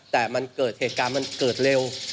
แต่มันเกิดเหตุการณ์มันเกิดเร็ว